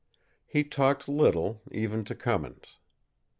He talked little, even to Cummins.